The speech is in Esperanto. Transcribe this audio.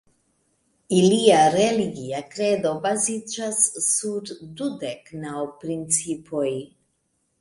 Ilia religia kredo baziĝas sur "dudek naŭ principoj".